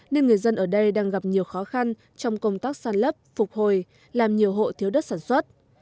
nên người dân ở đây đang gặp nhiều khó khăn trong công tác sàn lấp phục hồi làm nhiều hộ thiếu đất sản xuất